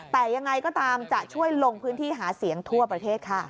แต่ยังไงก็ตามจะช่วยลงพื้นที่หาเสียงทั่วประเทศค่ะ